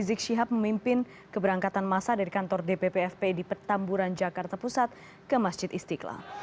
rizik syihab memimpin keberangkatan masa dari kantor dpp fpi di petamburan jakarta pusat ke masjid istiqlal